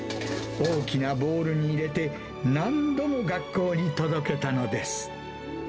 大きなボウルに入れて、何度も学校に届けたのです。